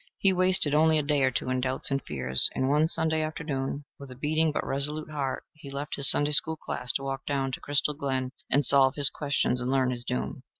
He wasted only a day or two in doubts and fears, and one Sunday afternoon, with a beating but resolute heart, he left his Sunday school class to walk down to Crystal Glen and solve his questions and learn his doom.